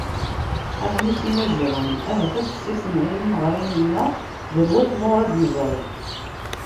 Aɣmis n Yimaziɣen: Ahat ad tessisneḍ i yimeɣriyen-nneɣ d anwa-t Muṛad Meẓri?